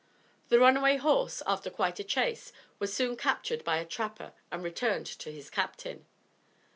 The runaway horse, after quite a chase, was soon captured by a trapper and returned to his captain.